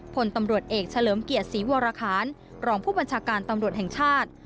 พลตำรวจเอกเฉลิมเกียรติศรีวรคารรองผู้บัญชาการตำรวจแห่งชาติ